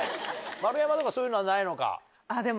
丸山とかそういうのはないのか？